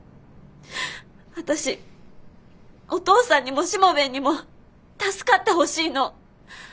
私お父さんにもしもべえにも助かってほしいの！